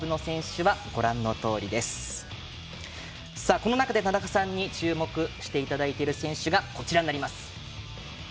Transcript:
この中で、田中さんに注目していただいている選手がこちらになります。